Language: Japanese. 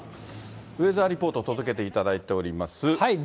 ウェザーリポート届けていただいております。